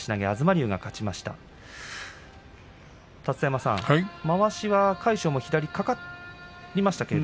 東龍勝ちました。